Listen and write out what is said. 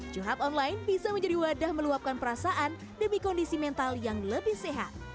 curhat online bisa menjadi wadah meluapkan perasaan demi kondisi mental yang lebih sehat